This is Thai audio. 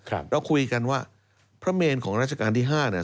เราคุยกันว่าพระเมนของราชการที่ห้าเนี่ย